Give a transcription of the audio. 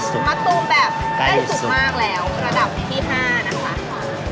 มะตูมแบบใกล้สุดมากแล้ว